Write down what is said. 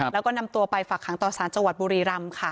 แล้วก็นำตัวไปฝักขังต่อสารจังหวัดบุรีรำค่ะ